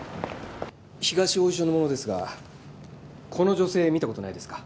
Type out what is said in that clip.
東王子署の者ですがこの女性見た事ないですか？